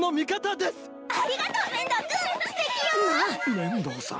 面堂さん。